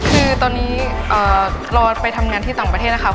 คือตอนนี้รอไปทำงานที่ต่างประเทศนะคะ